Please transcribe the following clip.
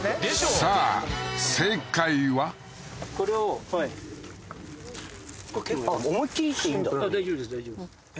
さあ正解はこれをあっ思いっきりいっていいんだ大丈夫です大丈夫です